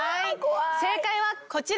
正解はこちら！